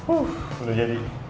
uff udah jadi